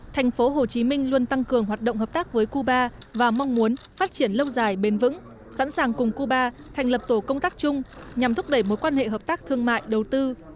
thành phố hồ chí minh luôn tăng cường hoạt động hợp tác với cuba và mong muốn phát triển lâu dài bền vững sẵn sàng cùng cuba thành lập tổ công tác chung nhằm thúc đẩy mối quan hệ hợp tác thương mại đầu tư